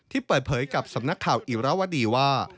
เปิดเผยกับสำนักข่าวอิราวดีว่า